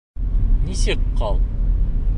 Нисек ҡал?